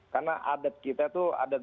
karena adat kita itu adat